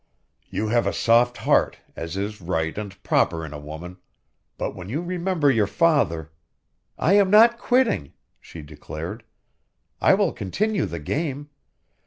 "You have a soft heart, as is right and proper in a woman. But when you remember your father " "I am not quitting!" she declared. "I will continue the game.